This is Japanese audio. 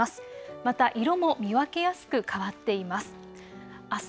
また色も見分けやすく変わっています。